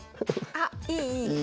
あっいい！